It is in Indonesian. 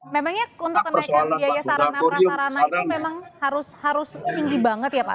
memangnya untuk kenaikan biaya sarana prasarana itu memang harus tinggi banget ya pak